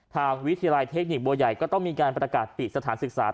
ทางวิทยาลัยเทคนิคบัวใหญ่ก็ต้องมีการประกาศปิดสถานศึกษา